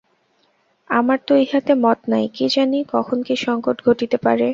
আমার তো ইহাতে মত নাই–কী জানি কখন কী সংকট ঘটিতে পারে।